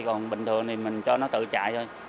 còn bình thường thì mình cho nó tự chạy thôi